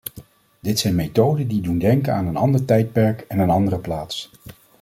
Dit zijn methoden die doen denken aan een ander tijdperk en een andere plaats.